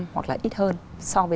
một mươi hoặc là ít hơn so với